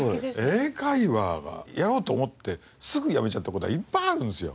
英会話はやろうと思ってすぐやめちゃった事はいっぱいあるんですよ。